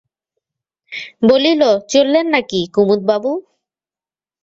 বলিল, চললেন নাকি কুমুদবাবু?